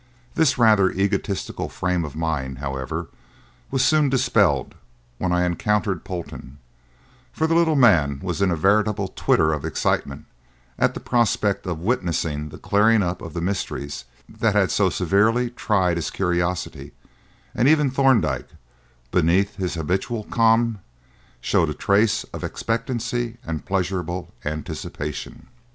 This rather egotistical frame of mind, however, was soon dispelled when I encountered Polton, for the little man was in a veritable twitter of excitement at the prospect of witnessing the clearing up of the mysteries that had so severely tried his curiosity; and even Thorndyke, beneath his habitual calm, showed a trace of expectancy and pleasurable anticipation.